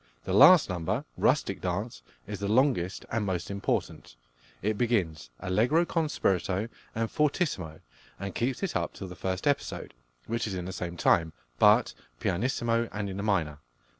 The last number, "Rustic Dance," is the longest and most important. It begins allegro con spirito and fortissimo, and keeps it up till the first episode, which is in the same time, but pianissimo and in the minor.